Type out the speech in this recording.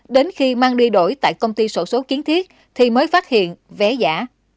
đến khi mang đi đổi tại công ty sổ số kiến thiết thì mới phát hiện vé giả